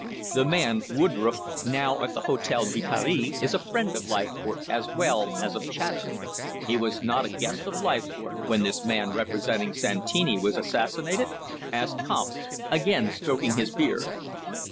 The man Woodroffe, now at the Hotel de Paris, is a friend of Leithcourt as well as of Chater." "He was not a guest of Leithcourt when this man representing Santini was assassinated?" asked Kampf, again stroking his beard.